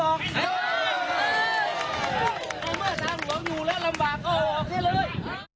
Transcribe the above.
ตอนเมื่อทางหลวงอยู่และลำบากเข้าออกได้เลย